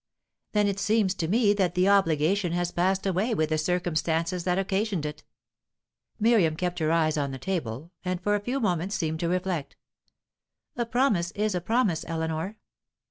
"Then it seems to me that the obligation has passed away with the circumstances that occasioned it." Miriam kept her eyes on the table, and for a few moments seemed to reflect. "A promise is a promise, Eleanor."